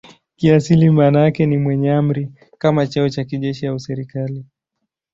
Kiasili maana yake ni "mwenye amri" kama cheo cha kijeshi au kiserikali.